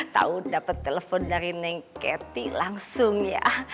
tahu dapet telepon dari neng keti langsung ya